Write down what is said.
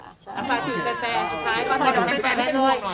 เอามาถือแฟนสุดท้ายก็ฝากถึงแฟนด้วย